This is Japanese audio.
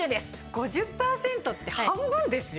５０％って半分ですよ？